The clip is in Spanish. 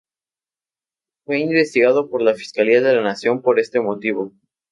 Fue investigado por La Fiscalía de la Nación por este motivo.